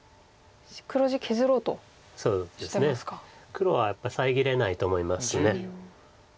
黒はやっぱり遮れないと思います。